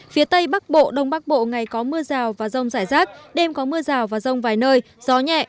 phía tây bắc bộ đông bắc bộ ngày có mưa rào và rông rải rác đêm có mưa rào và rông vài nơi gió nhẹ